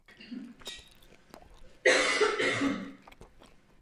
Ve stanici pořídili několik tisíc fotografií Země a Slunce.